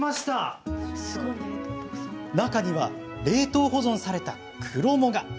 中には冷凍保存されたクロモが。